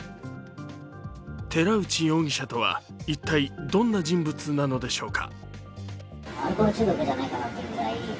寺内容疑者とは一体、どんな人物なのでしょうか。